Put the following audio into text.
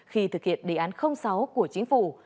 khi thực hiện đề án sáu của chính phủ